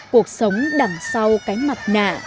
cuộc sống đằng sau cái mặt nạ